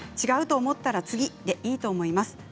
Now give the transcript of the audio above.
違うと思ったら次でいいと思います。